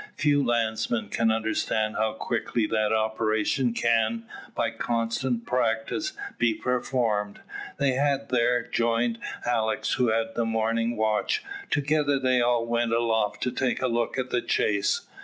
Few landsmen can understand how quickly that operation can, by constant practice, be performed. They had there joined Alick, who had the morning watch. Together they all went aloft to take a look at the chase.